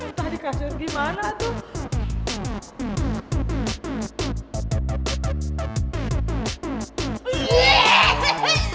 entah dikasur gimana tuh